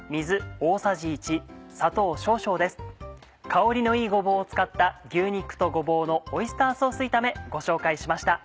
香りのいいごぼうを使った「牛肉とごぼうのオイスターソース炒め」ご紹介しました。